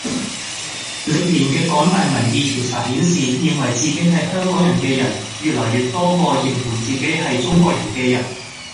歷年嘅港大民意調查顯示，認為自己係香港人嘅人越來越多過認同自己係中國人嘅人。